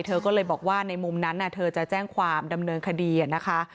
เธอก็เลยบอกว่าในมุมนั้นเธอจะแจ้งความดำเนินคดีนะคะ